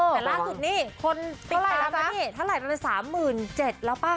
แต่ล่าสุดนี้คนติดตามกันเนี่ยเท่าไหร่แล้วนะ๓๗๐๐๐แล้วป่ะ